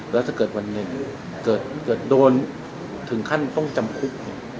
แล้วถ้าเกิดวันหนึ่งเกิดโดนถึงขั้นต้องจำคุก